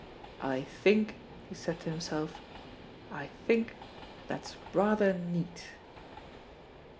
"I think," he said to himself, "I think that's rather neat."